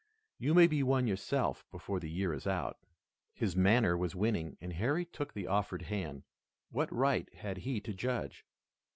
You may be one yourself before the year is out." His manner was winning, and Harry took the offered hand. What right had he to judge?